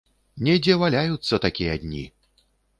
Недзе валяюцца такія дні!